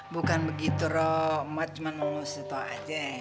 bukan begitu roh emak cuman menurut lu setau aja